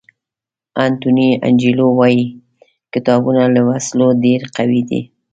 انټوني انجیلو وایي کتابونه له وسلو ډېر قوي دي.